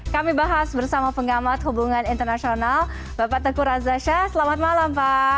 kami bahas bersama pengamat hubungan internasional bapak teguh razasha selamat malam pak